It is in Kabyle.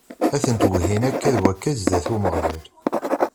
A tent-wehhin akka d wakka zdat n Umeɣlal.